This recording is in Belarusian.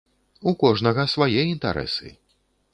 У кожнага свае інтарэсы.